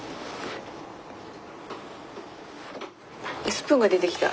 スプーンが出てきた。